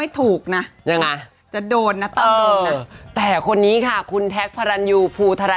ไม่ถูกนะยังไงจะโดนนะต้องโดนนะเออแต่คนนี้ค่ะคุณพู